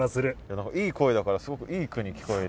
何かいい声だからすごくいい句に聞こえる。